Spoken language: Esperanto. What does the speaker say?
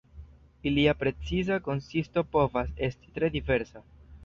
Ilia preciza konsisto povas esti tre diversa.